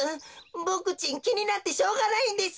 ボクちんきになってしょうがないんです。